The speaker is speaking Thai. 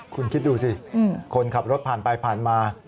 คุณคิดดูสิคนขับรถผ่านไปผ่านมา